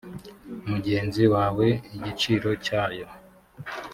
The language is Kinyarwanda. mugenzi wawe igiciro cyayo